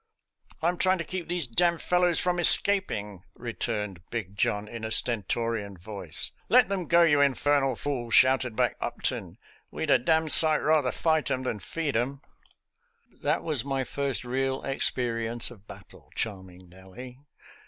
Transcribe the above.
"" I'm trying to keep these d d fellows from escaping," returned Big John, in a stentorian voice. " Let them go, you infernal fool," shouted back Upton. " We'd a d d sight rather fight 'em than feed 'em. ♦•« That was my first real experience of battle. Charming Nellie.